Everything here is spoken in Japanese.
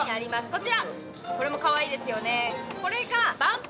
こちらこれもかわいいですよね